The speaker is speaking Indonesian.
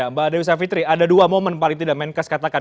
mbak dewi savitri ada dua momen paling tidak menkeskatakan